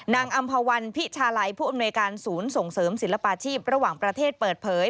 อำภาวันพิชาลัยผู้อำนวยการศูนย์ส่งเสริมศิลปาชีพระหว่างประเทศเปิดเผย